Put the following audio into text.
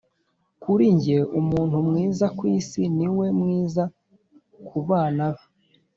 kuri njye, umuntu mwiza kwisi niwe mwiza kubana be,